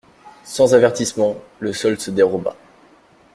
Sans avertissement, le sol se déroba.